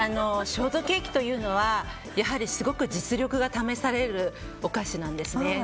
ショートケーキというのはやはりすごく実力が試されるお菓子なんですね。